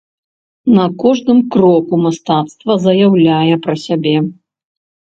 На кожным кроку мастацтва заяўляе пра сябе.